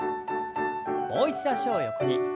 もう一度脚を横に。